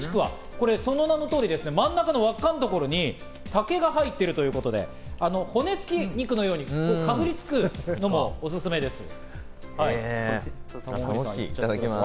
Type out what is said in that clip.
あともう一つ、徳島県産の竹ちくわ、その名の通り、真ん中の輪っかのところに竹が入っているということで、骨付き肉のように、かぶりつくのもおすすめです。